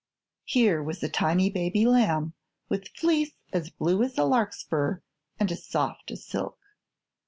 Here was a tiny baby lamb with fleece as blue as a larkspur and as soft as silk.